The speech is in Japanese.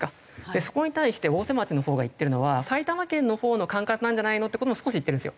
そこに対して越生町のほうが言ってるのは埼玉県のほうの管轄なんじゃないの？って事も少し言ってるんですよ。